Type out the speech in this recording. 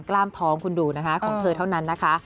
กล้ามท้องคุณดูนะคะของเธอเท่านั้นนะคะ